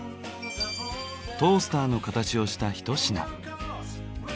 トースターの形をしたひと品。